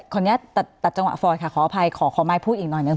คนนี้ตัดจังหวะฟอร์ดค่ะขออภัยขอไม้พูดอีกหน่อยหนึ่ง